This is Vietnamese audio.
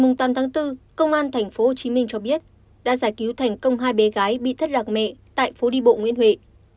ngày tám tháng bốn công an tp hcm cho biết đã giải cứu thành công hai bé gái bị thất lạc mẹ tại phố đi bộ nguyễn huệ